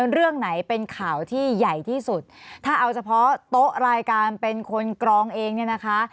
เรื่องไหนเป็นข่าวที่ใหญ่ที่สุดถ้าเอาเฉพาะโต๊ะรายการเป็นคนกรองเองเนี่ยนะคะ